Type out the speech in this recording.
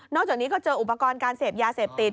จากนี้ก็เจออุปกรณ์การเสพยาเสพติด